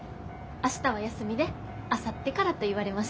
明日は休みであさってからと言われました。